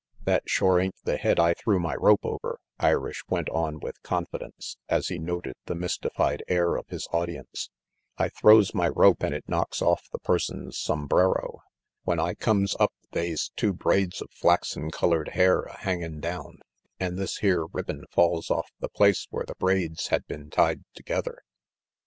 "That shore ain't the head I threw my rope over," Irish went on with confidence, as he noted the mystified air of his audience. "I throws my rope RANGY PETE 05 and it knocks off the person's sombrero. When I comes up they's two braids of flaxen colored hair a hangin' down, an' this here ribbon falls off the place where the braids had been tied together.